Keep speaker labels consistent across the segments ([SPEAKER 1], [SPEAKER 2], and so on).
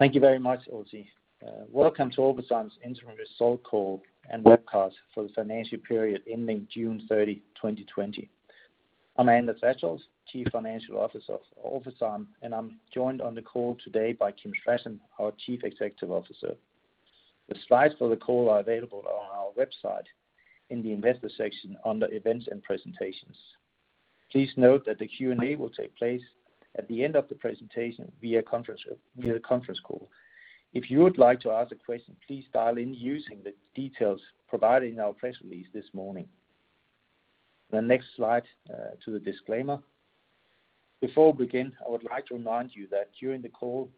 [SPEAKER 1] Thank you very much, Dulcie. Welcome to Orphazyme's interim results call and webcast for the financial period ending June 30th, 2020. I'm Anders Vadsholt, Chief Financial Officer of Orphazyme, and I'm joined on the call today by Kim Stratton, our Chief Executive Officer. The slides for the call are available on our website in the Investors section under Events and Presentations. Please note that the Q&A will take place at the end of the presentation via conference call. If you would like to ask a question, please dial in using the details provided in our press release this morning. The next slide to the disclaimer. Before we begin, I would like to remind you that during the call,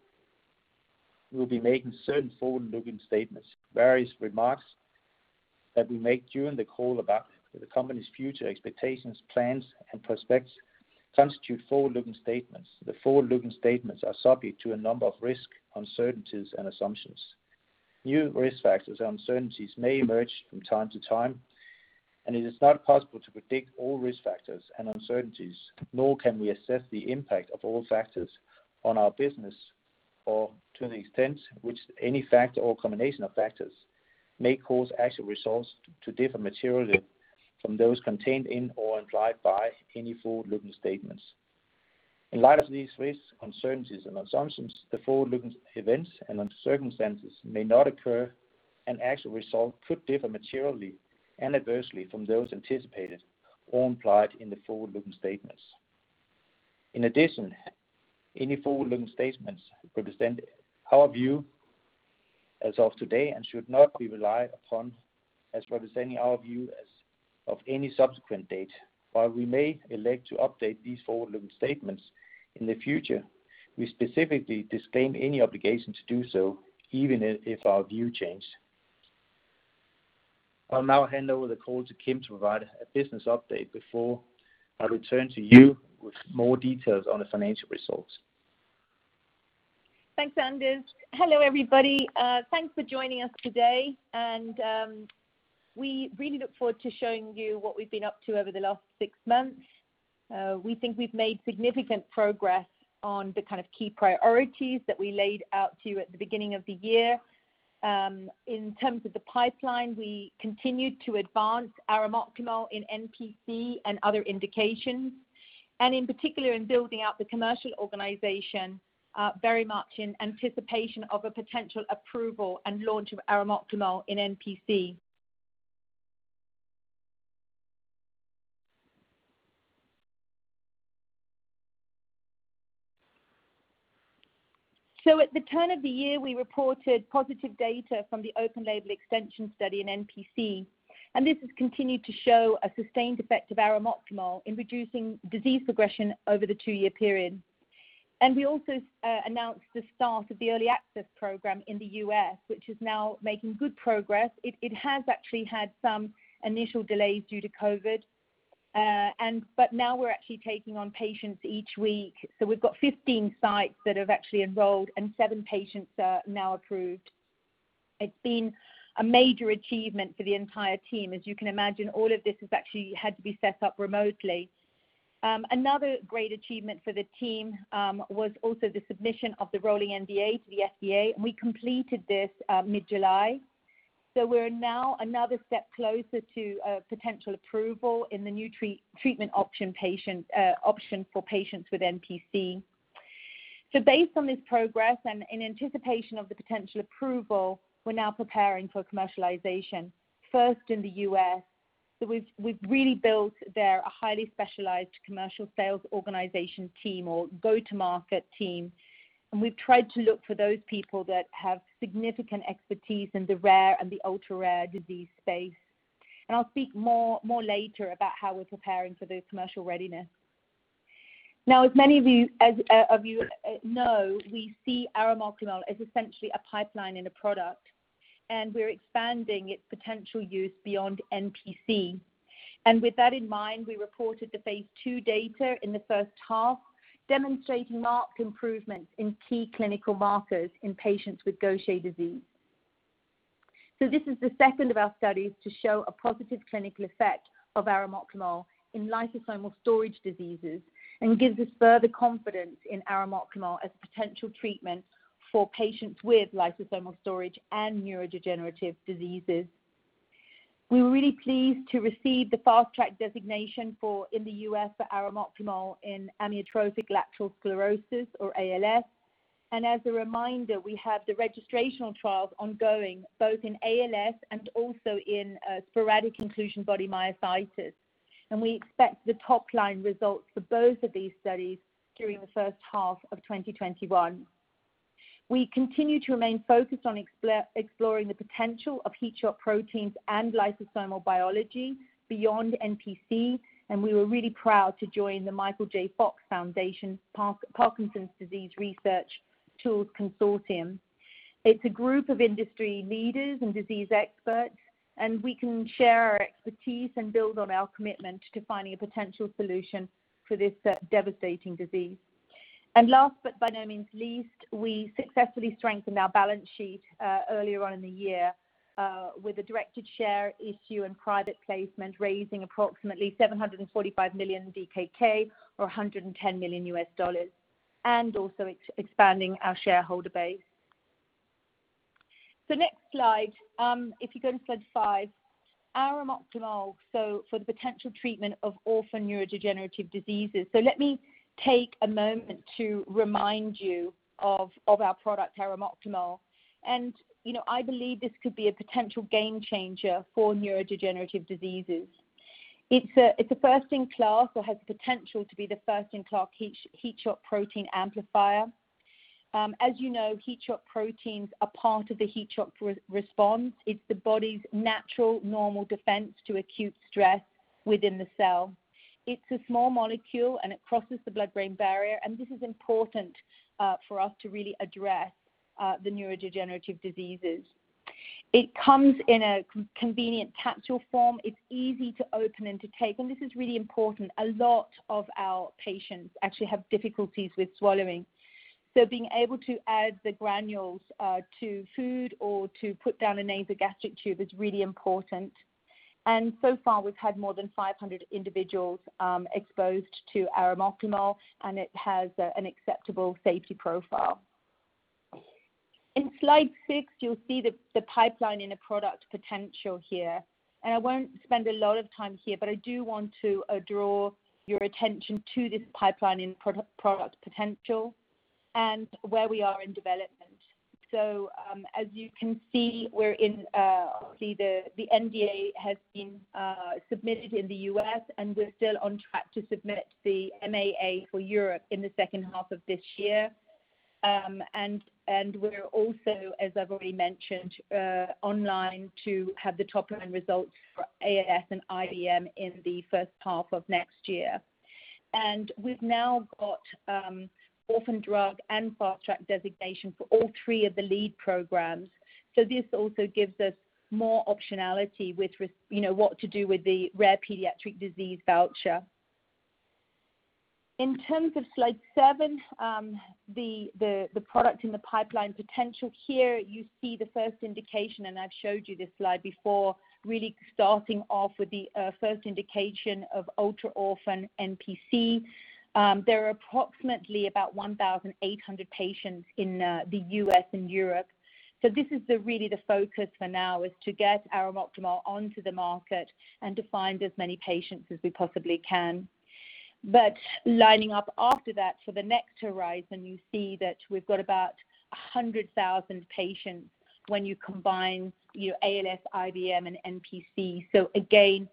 [SPEAKER 1] we'll be making certain forward-looking statements. Various remarks that we make during the call about the company's future expectations, plans, and prospects constitute forward-looking statements. The forward-looking statements are subject to a number of risks, uncertainties and assumptions. New risk factors and uncertainties may emerge from time to time, and it is not possible to predict all risk factors and uncertainties, nor can we assess the impact of all factors on our business, or to the extent which any factor or combination of factors may cause actual results to differ materially from those contained in or implied by any forward-looking statements. In light of these risks, uncertainties, and assumptions, the forward-looking events and circumstances may not occur, and actual results could differ materially and adversely from those anticipated or implied in the forward-looking statements. In addition, any forward-looking statements represent our view as of today and should not be relied upon as representing our views of any subsequent date. While we may elect to update these forward-looking statements in the future, we specifically disclaim any obligation to do so, even if our view changes. I'll now hand over the call to Kim to provide a business update before I return to you with more details on the financial results.
[SPEAKER 2] Thanks, Anders. Hello, everybody. Thanks for joining us today. We really look forward to showing you what we've been up to over the last six months. We think we've made significant progress on the key priorities that we laid out to you at the beginning of the year. In terms of the pipeline, we continued to advance arimoclomol in NPC and other indications, and in particular in building out the commercial organization, very much in anticipation of a potential approval and launch of arimoclomol in NPC. At the turn of the year, we reported positive data from the open label extension study in NPC, and this has continued to show a sustained effect of arimoclomol in reducing disease progression over the two-year period. We also announced the start of the Early Access Program in the U.S., which is now making good progress. It has actually had some initial delays due to COVID. Now we're actually taking on patients each week. We've got 15 sites that have actually enrolled, and seven patients are now approved. It's been a major achievement for the entire team. As you can imagine, all of this has actually had to be set up remotely. Another great achievement for the team was also the submission of the rolling NDA to the FDA, and we completed this mid-July. We're now another step closer to a potential approval in the new treatment option for patients with NPC. Based on this progress and in anticipation of the potential approval, we're now preparing for commercialization, first in the U.S. We've really built there a highly specialized commercial sales organization team or go-to-market team, and we've tried to look for those people that have significant expertise in the rare and the ultra rare disease space. I'll speak more later about how we're preparing for the commercial readiness. As many of you know, we see arimoclomol as essentially a pipeline in a product. We're expanding its potential use beyond NPC. With that in mind, we reported the phase II data in the first half, demonstrating marked improvements in key clinical markers in patients with Gaucher disease. This is the second of our studies to show a positive clinical effect of arimoclomol in lysosomal storage diseases and gives us further confidence in arimoclomol as a potential treatment for patients with lysosomal storage and neurodegenerative diseases. We were really pleased to receive the Fast Track designation in the U.S. for arimoclomol in amyotrophic lateral sclerosis or ALS. As a reminder, we have the registrational trials ongoing both in ALS and also in sporadic inclusion body myositis. We expect the top-line results for both of these studies during the first half of 2021. We continue to remain focused on exploring the potential of Heat Shock Proteins and lysosomal biology beyond NPC, and we were really proud to join The Michael J. Fox Foundation Parkinson's Disease Research Tools Consortium. It's a group of industry leaders and disease experts, and we can share our expertise and build on our commitment to finding a potential solution for this devastating disease. Last, but by no means least, we successfully strengthened our balance sheet earlier on in the year with a directed share issue and private placement, raising approximately 745 million DKK or $110 million, and also expanding our shareholder base. Next slide. If you go to slide five, arimoclomol for the potential treatment of orphan neurodegenerative diseases. Let me take a moment to remind you of our product, arimoclomol. I believe this could be a potential game changer for neurodegenerative diseases. It's a first-in-class or has the potential to be the first-in-class Heat Shock Protein amplifier. As you know, Heat Shock Proteins are part of the heat shock response. It's the body's natural, normal defense to acute stress within the cell. It's a small molecule and it crosses the blood-brain barrier, and this is important for us to really address the neurodegenerative diseases. It comes in a convenient capsule form. It's easy to open and to take. This is really important. A lot of our patients actually have difficulties with swallowing. Being able to add the granules to food or to put down a nasogastric tube is really important. So far, we've had more than 500 individuals exposed to arimoclomol, and it has an acceptable safety profile. In slide six, you'll see the pipeline and the product potential here. I won't spend a lot of time here, but I do want to draw your attention to this pipeline and product potential and where we are in development. As you can see, the NDA has been submitted in the U.S., and we're still on track to submit the MAA for Europe in the second half of this year. We're also, as I've already mentioned, online to have the top-line results for ALS and IBM in the first half of next year. We've now got orphan drug and Fast Track designation for all three of the lead programs. This also gives us more optionality with what to do with the Rare Pediatric Disease Priority Review Voucher. In terms of slide seven, the product and the pipeline potential. Here, you see the first indication, and I've showed you this slide before, really starting off with the first indication of ultra-orphan NPC. There are approximately about 1,800 patients in the U.S. and Europe. This is really the focus for now, is to get arimoclomol onto the market and to find as many patients as we possibly can. Lining up after that for the next horizon, you see that we've got about 100,000 patients when you combine your ALS, IBM, and NPC. Again,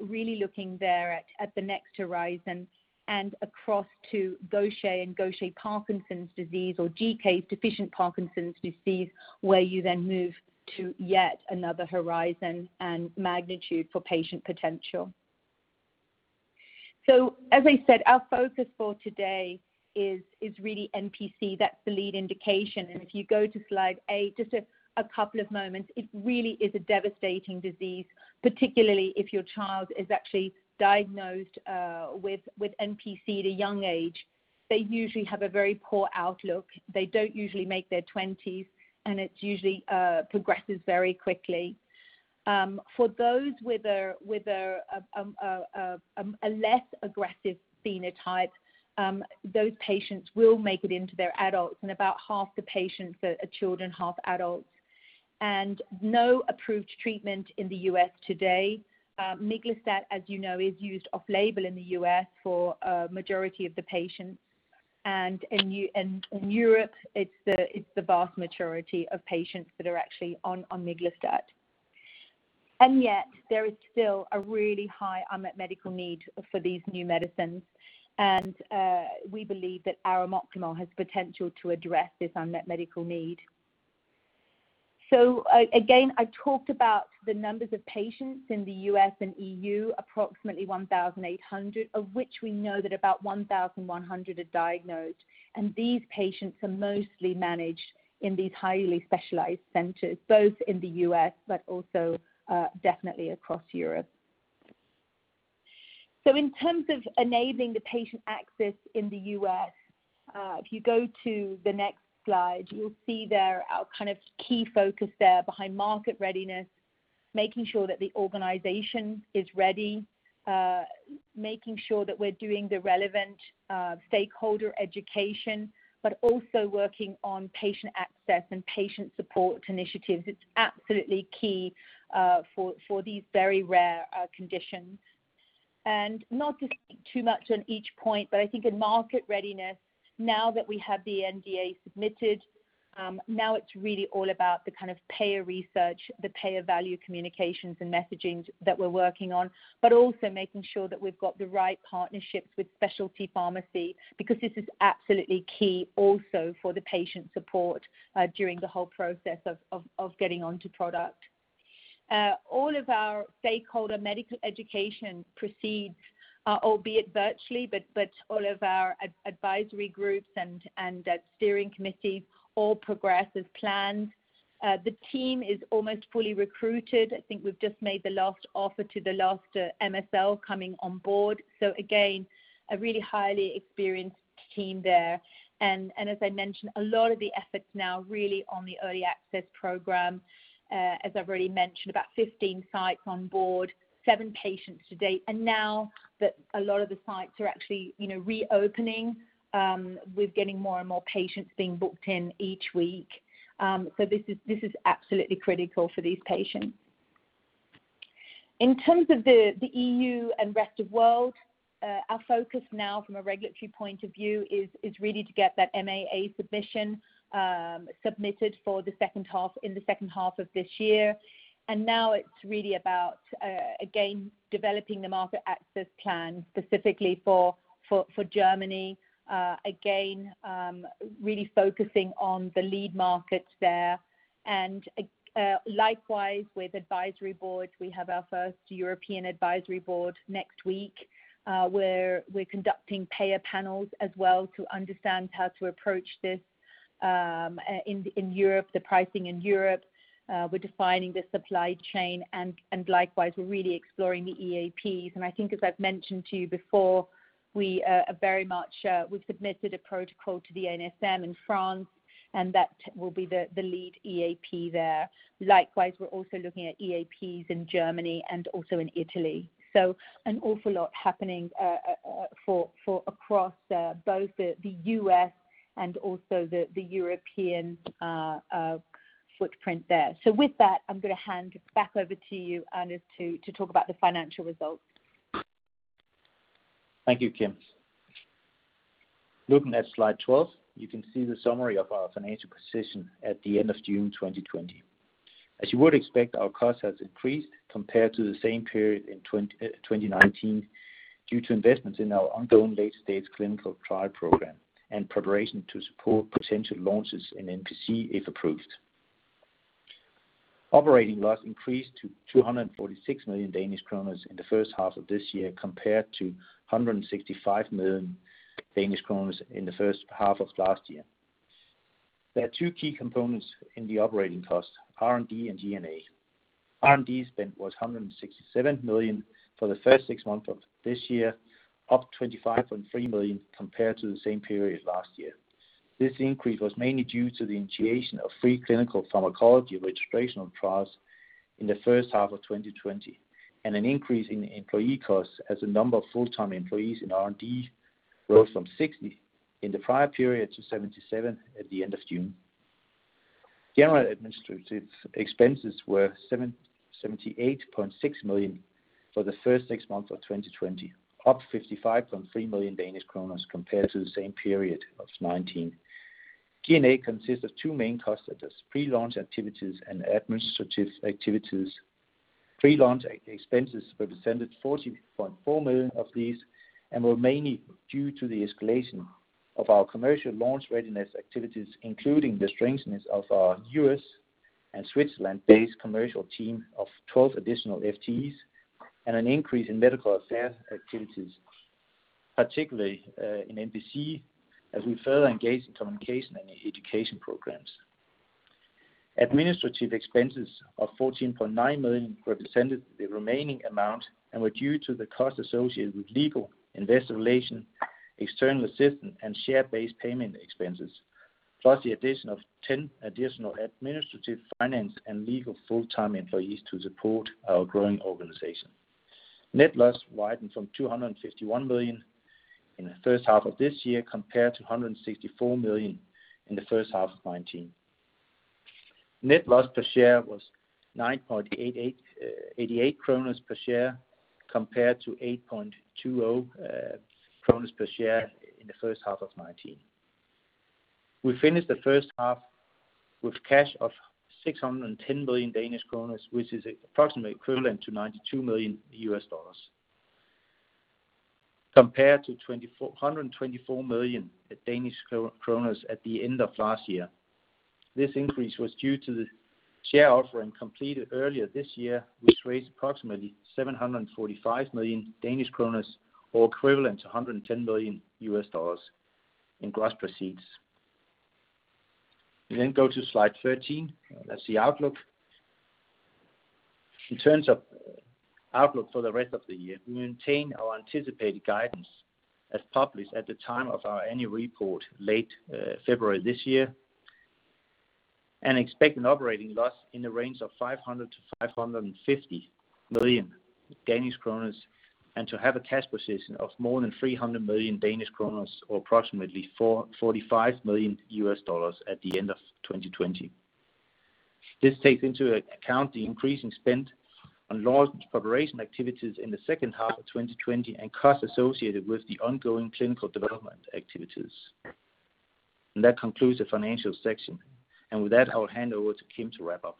[SPEAKER 2] really looking there at the next horizon and across to Gaucher and Gaucher Parkinson's disease or GBA-deficient Parkinson's disease, where you then move to yet another horizon and magnitude for patient potential. As I said, our focus for today is really NPC. That's the lead indication. If you go to slide eight, just a couple of moments. It really is a devastating disease, particularly if your child is actually diagnosed with NPC at a young age. They usually have a very poor outlook. They don't usually make their 20s, and it usually progresses very quickly. For those with a less aggressive phenotype, those patients will make it into their adults, and about half the patients are children, half adults. No approved treatment in the U.S. today. miglustat, as you know, is used off-label in the U.S. for a majority of the patients. In Europe, it's the vast majority of patients that are actually on miglustat. Yet there is still a really high unmet medical need for these new medicines. We believe that arimoclomol has potential to address this unmet medical need. Again, I talked about the numbers of patients in the U.S. and EU, approximately 1,800, of which we know that about 1,100 are diagnosed. These patients are mostly managed in these highly specialized centers, both in the U.S. but also definitely across Europe. In terms of enabling the patient access in the U.S., if you go to the next slide, you'll see there our kind of key focus there behind market readiness, making sure that the organization is ready, making sure that we're doing the relevant stakeholder education, also working on patient access and patient support initiatives. It's absolutely key for these very rare conditions. Not to speak too much on each point, I think in market readiness, now that we have the NDA submitted, now it's really all about the kind of payer research, the payer value communications and messaging that we're working on. Also making sure that we've got the right partnerships with specialty pharmacy, because this is absolutely key also for the patient support during the whole process of getting onto product. All of our stakeholder medical education proceeds, albeit virtually, but all of our advisory groups and steering committees all progress as planned. The team is almost fully recruited. I think we've just made the last offer to the last MSL coming on board. Again, a really highly experienced team there. As I mentioned, a lot of the efforts now really on the early access programs. As I've already mentioned, about 15 sites on board, seven patients to date. Now that a lot of the sites are actually reopening, we're getting more and more patients being booked in each week. This is absolutely critical for these patients. In terms of the EU and rest of world, our focus now from a regulatory point of view is really to get that MAA submission submitted in the second half of this year. Now it's really about, again, developing the market access plan specifically for Germany. Again, really focusing on the lead markets there. Likewise, with advisory boards, we have our first European advisory board next week, where we're conducting payer panels as well to understand how to approach this in Europe, the pricing in Europe. We're defining the supply chain, and likewise, we're really exploring the EAPs. I think as I've mentioned to you before, we've submitted a protocol to the ANSM in France, and that will be the lead EAP there. Likewise, we're also looking at EAPs in Germany and also in Italy. An awful lot happening across both the U.S. and also the European footprint there. With that, I'm going to hand back over to you, Anders, to talk about the financial results.
[SPEAKER 1] Thank you, Kim. Looking at slide 12, you can see the summary of our financial position at the end of June 2020. As you would expect, our costs have increased compared to the same period in 2019 due to investments in our ongoing late-stage clinical trial program and preparation to support potential launches in NPC if approved. Operating loss increased to 246 million Danish kroner in the first half of this year, compared to 165 million Danish kroner in the first half of last year. There are two key components in the operating cost, R&D and G&A. R&D spend was 167 million for the first six months of this year, up 25.3 million compared to the same period last year. This increase was mainly due to the initiation of three clinical pharmacology registrational trials in the first half of 2020, and an increase in employee costs as the number of full-time employees in R&D rose from 60 in the prior period to 77 at the end of June. General administrative expenses were 78.6 million for the first six months of 2020, up 55.3 million Danish kroner compared to the same period of 2019. G&A consists of two main cost centers, pre-launch activities and administrative activities. Pre-launch expenses represented 40.4 million of these and were mainly due to the escalation of our commercial launch readiness activities, including the strengthening of our U.S. and Switzerland-based commercial team of 12 additional FTEs and an increase in medical affairs activities, particularly in NPC, as we further engage in communication and education programs. Administrative expenses of 14.9 million represented the remaining amount and were due to the cost associated with legal, investor relation, external assistance, and share-based payment expenses, plus the addition of 10 additional administrative, finance, and legal full-time employees to support our growing organization. Net loss widened from 251 million in the first half of this year compared to 164 million in the first half of 2019. Net loss per share was 9.88 kroner per share, compared to 8.20 kroner per share in the first half of 2019. We finished the first half with cash of 610 million Danish kroner, which is approximately equivalent to $92 million, compared to 124 million Danish kroner at the end of last year. This increase was due to the share offering completed earlier this year, which raised approximately 745 million Danish kroner or equivalent to $110 million in gross proceeds. We go to slide 13. That's the outlook. In terms of outlook for the rest of the year, we maintain our anticipated guidance as published at the time of our annual report late February this year, and expect an operating loss in the range of 500 million-550 million Danish kroner, and to have a cash position of more than 300 million Danish kroner, or approximately $45 million at the end of 2020. This takes into account the increasing spend on launch preparation activities in the second half of 2020 and costs associated with the ongoing clinical development activities. That concludes the financial section. With that, I will hand over to Kim to wrap up.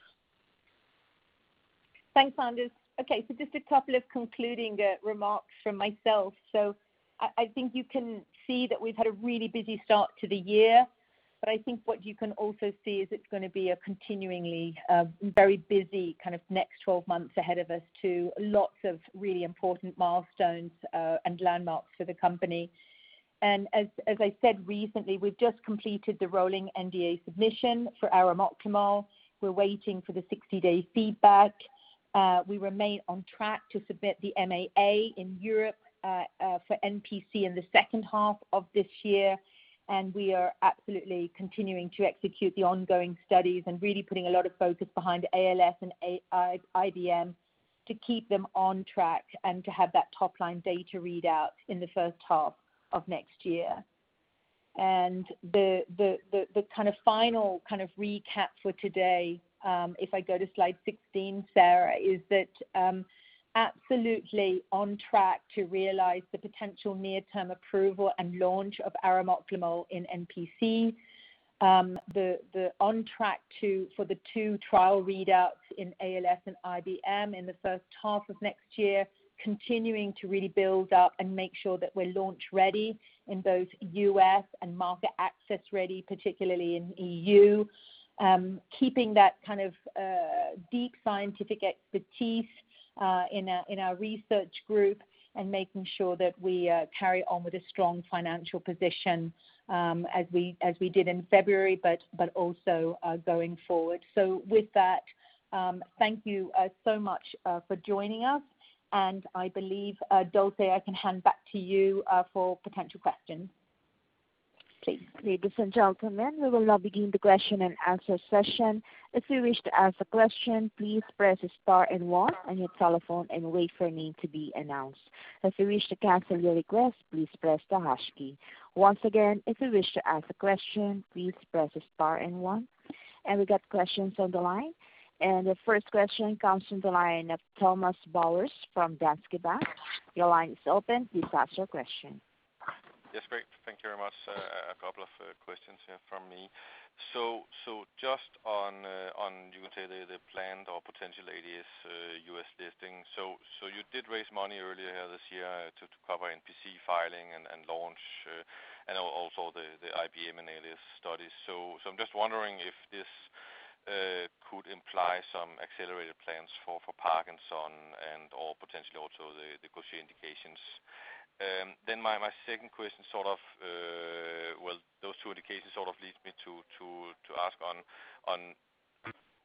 [SPEAKER 2] Thanks, Anders. Okay, just a couple of concluding remarks from myself. I think you can see that we've had a really busy start to the year, but I think what you can also see is it's going to be a continuingly very busy next 12 months ahead of us, too. Lots of really important milestones and landmarks for the company. As I said recently, we've just completed the rolling NDA submission for arimoclomol. We're waiting for the 60-day feedback. We remain on track to submit the MAA in Europe for NPC in the second half of this year. We are absolutely continuing to execute the ongoing studies and really putting a lot of focus behind ALS and IBM to keep them on track and to have that top-line data readout in the first half of next year. The final recap for today, if I go to slide 16, Sarah, is that absolutely on track to realize the potential near-term approval and launch of arimoclomol in NPC. On track for the two trial readouts in ALS and IBM in the first half of next year. Continuing to really build up and make sure that we're launch-ready in both U.S. and market access-ready, particularly in EU. Keeping that kind of deep scientific expertise in our research group and making sure that we carry on with a strong financial position as we did in February, but also going forward. With that, thank you so much for joining us, and I believe, Dulcie, I can hand back to you for potential questions.
[SPEAKER 3] Please, ladies and gentlemen, we will now begin the question-and-answer session. If you wish to ask a question, please press star and one on your telephone and wait for your name to be announced. If you wish to cancel your request, please press the hash key. Once again, if you wish to ask a question, please press star and one. We got questions on the line. The first question comes from the line of Thomas Bowers from Danske Bank. Your line is open. Please ask your question.
[SPEAKER 4] Yes, great. Thank you very much. A couple of questions here from me. Just on, you can say the planned or potential ADR U.S. listing. You did raise money earlier this year to cover NPC filing and launch and also the IBM and ADR studies. I'm just wondering if this could imply some accelerated plans for Parkinson's and/or potentially also the Gaucher indications. Well, those two indications sort of leads me to ask on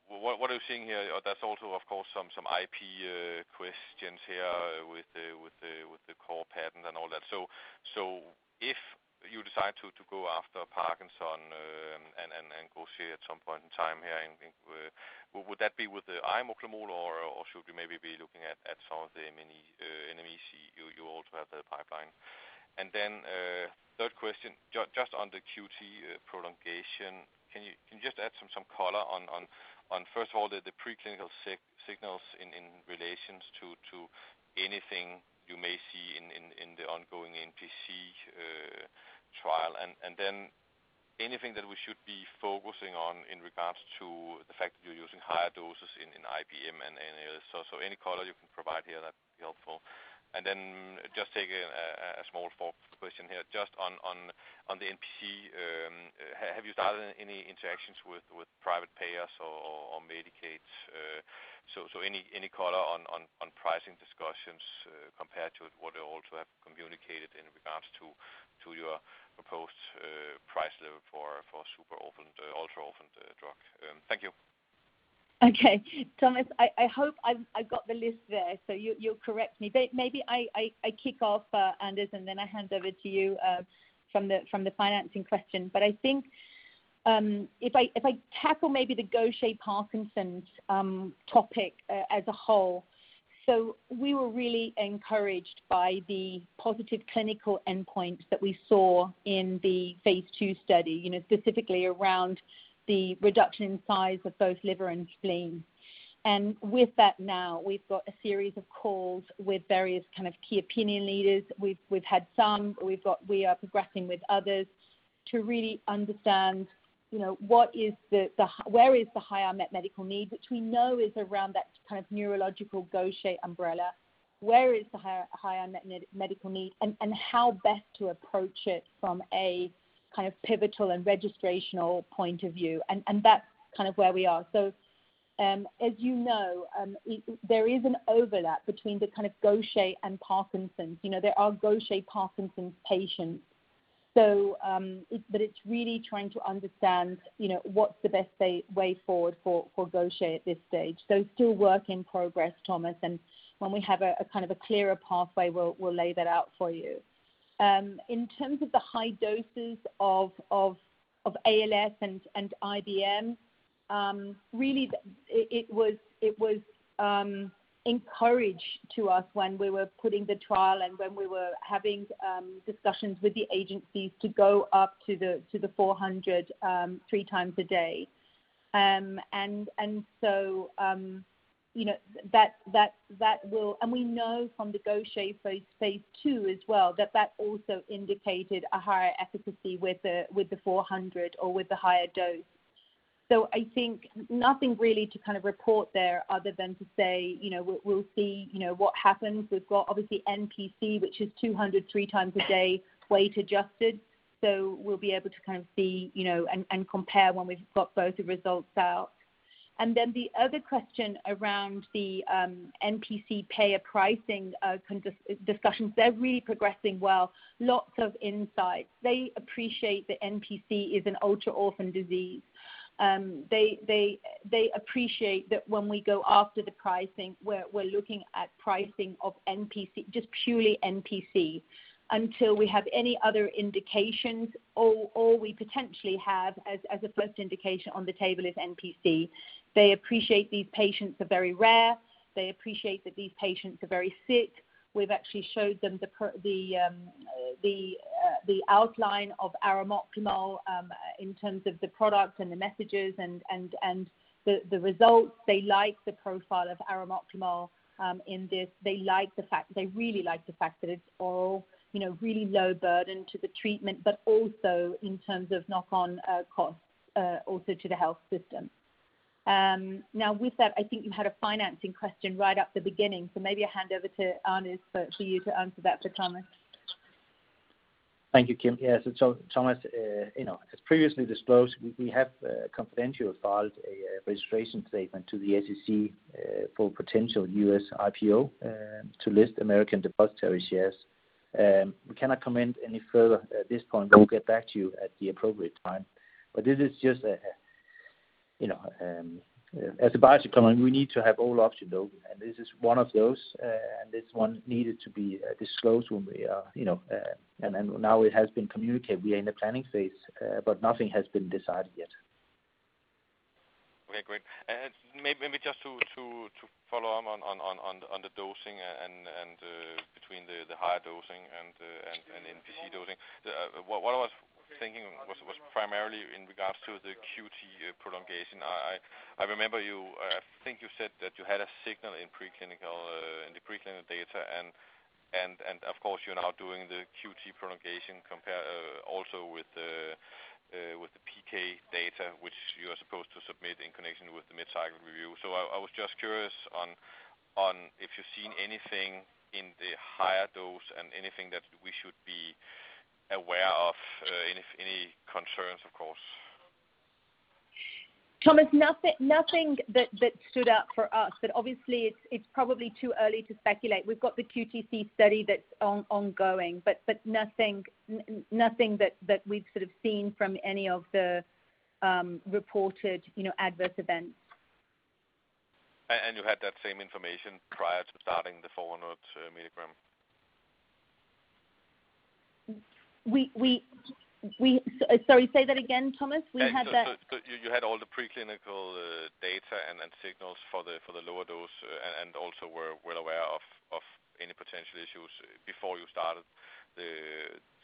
[SPEAKER 4] what are you seeing here? That's also, of course, some IP questions here with the core patent and all that. If you decide to go after Parkinson's and Gaucher at some point in time here, would that be with the arimoclomol, or should we maybe be looking at some of the many NME you also have the pipeline? Third question, just on the QT prolongation, can you just add some color on, first of all, the preclinical signals in relations to anything you may see in the ongoing NPC trial? Anything that we should be focusing on in regards to the fact that you're using higher doses in IBM and ALS? Any color you can provide here, that'd be helpful. Just take a small fourth question here. Just on the NPC, have you started any interactions with private payers or Medicaid? Any color on pricing discussions compared to what you also have communicated in regards to your proposed price level for super ultra-orphan drug? Thank you.
[SPEAKER 2] Okay. Thomas, I hope I've got the list there so you'll correct me. Maybe I kick off Anders and then I hand over to you from the financing question. I think if I tackle maybe the Gaucher Parkinson's topic as a whole. We were really encouraged by the positive clinical endpoints that we saw in the phase II study, specifically around the reduction in size of both liver and spleen. With that now, we've got a series of calls with various key opinion leaders. We've had some, we are progressing with others to really understand where is the higher medical need, which we know is around that kind of neurological Gaucher umbrella. Where is the higher medical need and how best to approach it from a pivotal and registrational point of view. That's kind of where we are. As you know, there is an overlap between the kind of Gaucher and Parkinson's. There are Gaucher Parkinson's patients. It's really trying to understand what's the best way forward for Gaucher at this stage. Still work in progress, Thomas, and when we have a clearer pathway, we'll lay that out for you. In terms of the high doses of ALS and IBM, really it was encouraged to us when we were putting the trial and when we were having discussions with the agencies to go up to the 400 three times a day. We know from the Gaucher phase II as well, that that also indicated a higher efficacy with the 400 or with the higher dose. I think nothing really to report there other than to say we'll see what happens. We've got obviously NPC, which is 200 three times a day, weight adjusted. We'll be able to see and compare when we've got both the results out. The other question around the NPC payer pricing discussions. They're really progressing well, lots of insights. They appreciate that NPC is an ultra-orphan disease. They appreciate that when we go after the pricing, we're looking at pricing of just purely NPC until we have any other indications or we potentially have as a first indication on the table is NPC. They appreciate these patients are very rare. They appreciate that these patients are very sick. We've actually showed them the outline of arimoclomol in terms of the product and the messages and the results. They like the profile of arimoclomol in this. They really like the fact that it's oral, really low burden to the treatment, but also in terms of knock-on costs also to the health system. With that, I think you had a financing question right at the beginning, so maybe I'll hand over to Anders for you to answer that for Thomas.
[SPEAKER 1] Thank you, Kim. Yeah. Thomas, as previously disclosed, we have confidentially filed a registration statement to the SEC for potential U.S. IPO to list American depositary shares. We cannot comment any further at this point, we'll get back to you at the appropriate time. This is just as a biotech company, we need to have all options open, this is one of those, and this one needed to be disclosed. Now it has been communicated. We are in the planning phase, nothing has been decided yet.
[SPEAKER 4] Okay, great. Maybe just to follow on the dosing and between the higher dosing and NPC dosing. What I was thinking was primarily in regards to the QT prolongation. I remember you, I think you said that you had a signal in the preclinical data and of course, you're now doing the QT prolongation compare also with the PK data which you are supposed to submit in connection with the mid-cycle review. I was just curious on if you've seen anything in the higher dose and anything that we should be aware of, any concerns, of course?
[SPEAKER 2] Thomas, nothing that stood out for us. Obviously, it's probably too early to speculate. We've got the QTc study that's ongoing, but nothing that we've sort of seen from any of the reported adverse events.
[SPEAKER 4] You had that same information prior to starting the 400 mg?
[SPEAKER 2] Sorry, say that again, Thomas.
[SPEAKER 4] You had all the preclinical data and signals for the lower dose and also were well aware of any potential issues before you started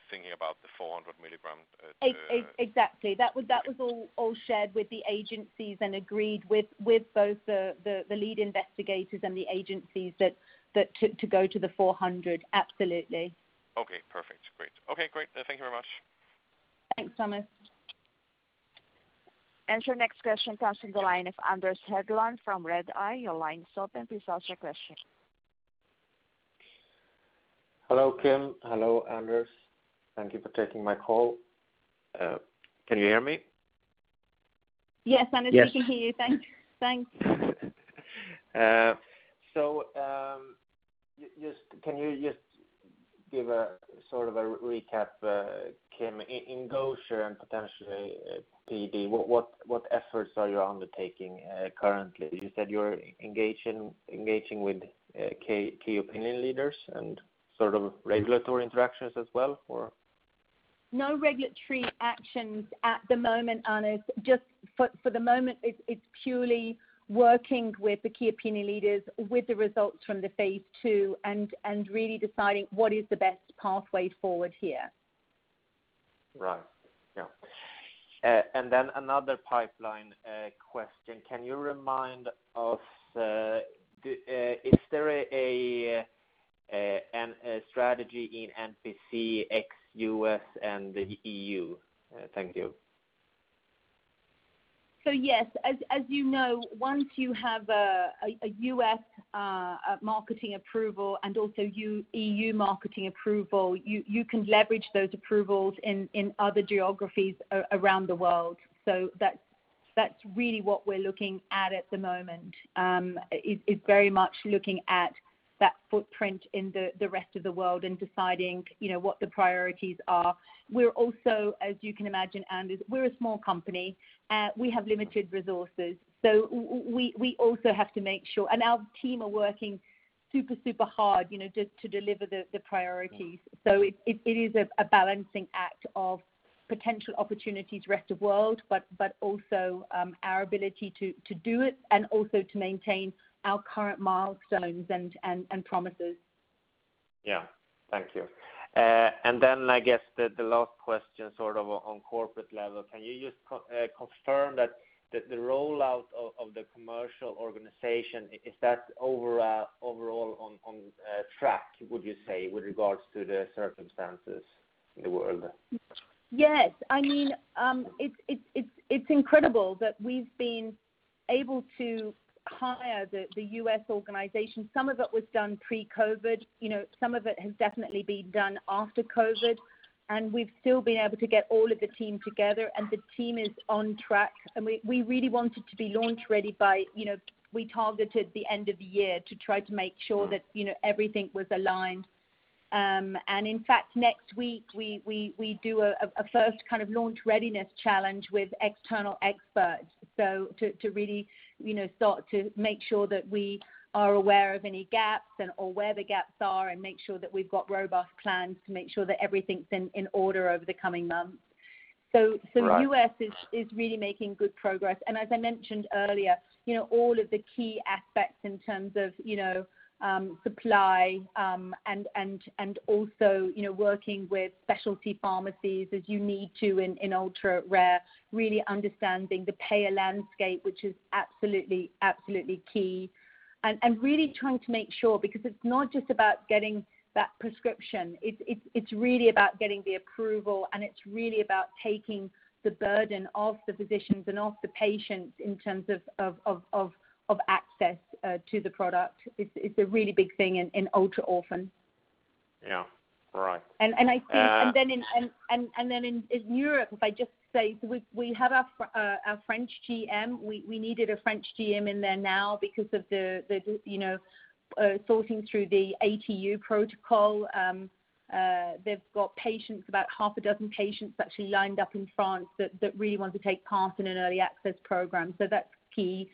[SPEAKER 4] thinking about the 400 mg.
[SPEAKER 2] Exactly. That was all shared with the agencies and agreed with both the lead investigators and the agencies to go to the 400. Absolutely.
[SPEAKER 4] Okay, perfect. Great. Okay, great. Thank you very much.
[SPEAKER 2] Thanks, Thomas.
[SPEAKER 3] Your next question comes from the line of Anders Hedlund from Redeye. Your line is open. Please ask your question.
[SPEAKER 5] Hello, Kim. Hello, Anders. Thank you for taking my call. Can you hear me?
[SPEAKER 2] Yes, Anders. Yes we can hear you. Thanks.
[SPEAKER 5] Can you just give a sort of a recap, Kim, in Gaucher and potentially PD, what efforts are you undertaking currently? You said you're engaging with key opinion leaders and sort of regulatory interactions as well, or?
[SPEAKER 2] No regulatory actions at the moment, Anders. Just for the moment, it's purely working with the key opinion leaders with the results from the phase II and really deciding what is the best pathway forward here.
[SPEAKER 5] Right. Yeah. Another pipeline question. Can you remind us, is there a strategy in NPC ex-U.S. and the EU? Thank you.
[SPEAKER 2] Yes. As you know, once you have a U.S. marketing approval and also EU marketing approval, you can leverage those approvals in other geographies around the world. That's really what we're looking at at the moment, is very much looking at that footprint in the rest of the world and deciding what the priorities are. We're also, as you can imagine, Anders, we're a small company. We have limited resources, so we also have to make sure And our team are working super hard to deliver the priorities. It is a balancing act of potential opportunities rest of world, but also our ability to do it and also to maintain our current milestones and promises.
[SPEAKER 5] Yeah. Thank you. I guess the last question sort of on corporate level. Can you just confirm that the rollout of the commercial organization, is that overall on track, would you say, with regards to the circumstances in the world?
[SPEAKER 2] Yes. It's incredible that we've been able to hire the U.S. organization. Some of it was done pre-COVID, some of it has definitely been done after COVID, and we've still been able to get all of the team together and the team is on track. We really wanted to be launch ready by, we targeted the end of the year to try to make sure that everything was aligned. In fact, next week we do a first launch readiness challenge with external experts. To really start to make sure that we are aware of any gaps and, or where the gaps are, and make sure that we've got robust plans to make sure that everything's in order over the coming months.
[SPEAKER 5] Right.
[SPEAKER 2] The U.S. is really making good progress. As I mentioned earlier, all of the key aspects in terms of supply, also working with specialty pharmacies as you need to in ultra-rare, really understanding the payer landscape, which is absolutely key. Really trying to make sure, because it's not just about getting that prescription, it's really about getting the approval, and it's really about taking the burden off the physicians and off the patients in terms of access to the product. It's a really big thing in ultra-orphan.
[SPEAKER 5] Yeah. Right.
[SPEAKER 2] And I think in Europe, we have our French GM. We needed a French GM in there now because of the sorting through the ATU protocol. They've got patients, about half a dozen patients lined up in France that really want to take part in an early access program. That's key.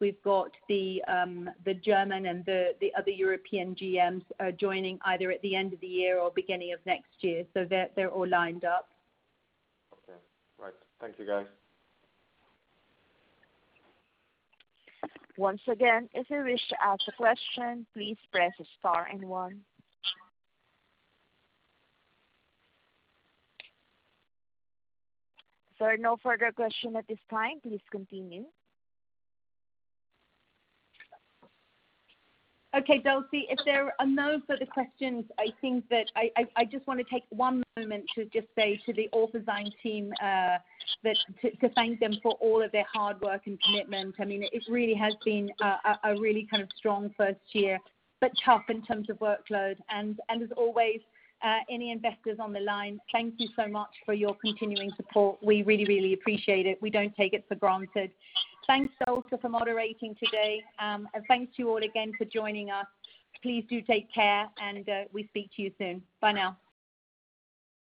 [SPEAKER 2] We've got the German and the other European GMs are joining either at the end of the year or beginning of next year. They're all lined up.
[SPEAKER 5] Okay. Right. Thank you, guys.
[SPEAKER 3] Once again, if you wish to ask a question, please press star and one. If there are no further question at this time, please continue.
[SPEAKER 2] Okay. Dulcie, if there are no further questions, I think that I just want to take one moment to just say to the Orphazyme team, to thank them for all of their hard work and commitment. It really has been a really strong first year, but tough in terms of workload. As always, any investors on the line, thank you so much for your continuing support. We really, really appreciate it. We don't take it for granted. Thanks, Dulcie, for moderating today. Thanks to you all again for joining us. Please do take care, and we speak to you soon. Bye now.